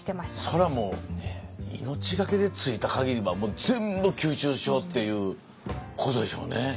それはもう命がけで着いた限りはもう全部吸収しようっていうことでしょうね。